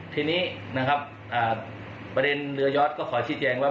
ทีนี้นะครับประเด็นเรือยอดก็ขอชี้แจงว่า